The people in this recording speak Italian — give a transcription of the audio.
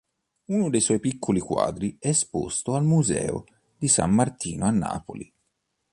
Uno dei suoi piccoli quadri è esposto al Museo di San Martino a Napoli.